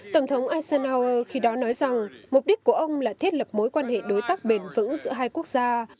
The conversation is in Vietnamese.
tổng thống asen hawer khi đó nói rằng mục đích của ông là thiết lập mối quan hệ đối tác bền vững giữa hai quốc gia